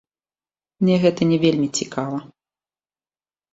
Мне гэта не вельмі цікава.